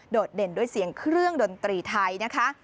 เด่นด้วยเสียงเครื่องดนตรีไทยนะคะ